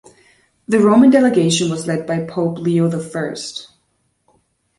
The Roman delegation was led by Pope Leo the First.